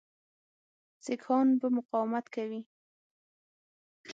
سیکهان به مقاومت کوي.